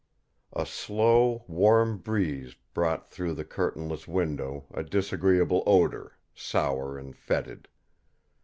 A slow, warm breeze brought through the curtainless window a disagreeable odour, sour and fetid.